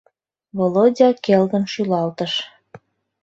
Володя келгын шӱлалтыш.